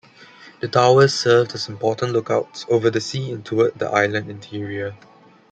The towers served as important lookouts over the sea and toward the island interior.